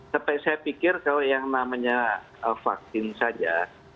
tapi saya pikir kalau yang namanya vaksin saja